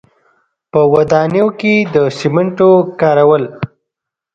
په ودانیو کې د سیمنټو کارول.